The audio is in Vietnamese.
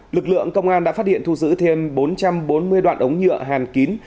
lực lượng công an đã phát hiện thu giữ thêm bốn trăm bốn mươi đoạn ống nhựa hàn kín